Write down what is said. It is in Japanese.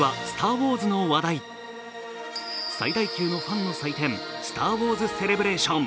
最大級のファンの祭典、「スター・ウォーズセレブレーション」。